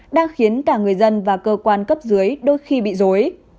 đang khiến cả người dân và cơ quan cấp dưới đôi khi bị dối